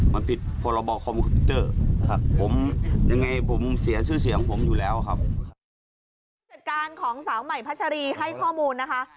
มันนี่คือลดหัวครองเฉกติศการของสาวใหม่พัชรีให้ข้อมูลนะครับ